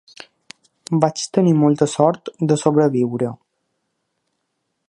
Vaig tenir molta sort de sobreviure.